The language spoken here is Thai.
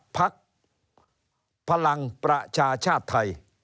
พักพลังประชาธิปัตย์